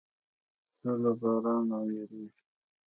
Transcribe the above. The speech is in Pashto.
پسه له باران نه وېرېږي.